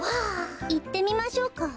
いってみましょうか。